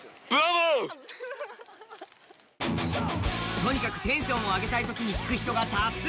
とにかくテンションを上げたいときに聴く人が多数。